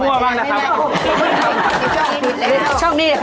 อะไรมั้ยครับ